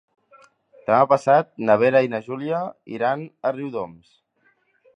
Demà passat na Vera i na Júlia iran a Riudoms.